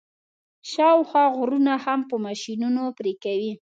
شاوخوا غرونه هم په ماشینونو پرې کوي.